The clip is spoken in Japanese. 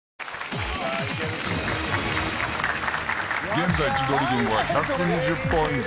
現在、千鳥軍は１２０ポイント。